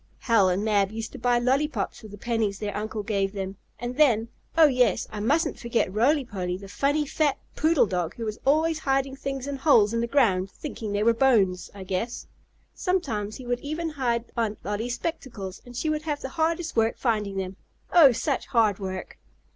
Hal and Mab used to buy lollypops with the pennies their uncle gave them. And then Oh, yes, I mustn't forget Roly Poly, the funny, fat, poodle dog who was always hiding things in holes in the ground, thinking they were bones, I guess. Sometimes he would even hide Aunt Lolly's spectacles and she would have the hardest work finding them. Oh, such hard work!